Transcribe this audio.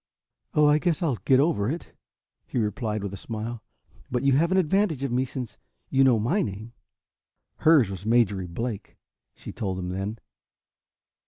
"Oh, I guess I'll get over it," he replied with a smile. "But you have the advantage of me, since you know my name." Hers was Marjorie Blake, she told him then.